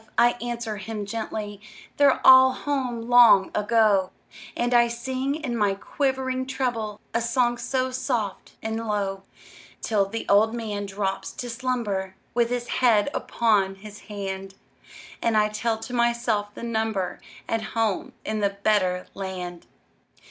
I answer him gently, "They're all home long ago;" And I sing, in my quivering treble, A song so soft and low, Till the old man drops to slumber, With his head upon his hand, And I tell to myself the number At home in the better land.